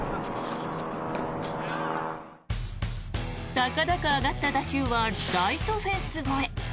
高々上がった打球はライトフェンス越え。